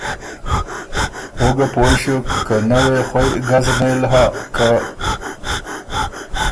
او ګه پویٛ ݭیوک که نۀ وې خوئ ګز نېل هۀ که